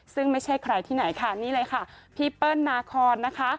ซึ่งไม่ใช่ใครที่ไหนค่ะนี่เลยค่ะพี่เปิ้ลนาคอนนะคะ